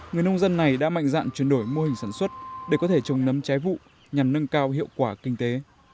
người nông dân này đã mạnh dạn chuyển đổi mô hình sản xuất để có thể trồng nấm trái vụ nhằm nâng cao hiệu quả kinh tế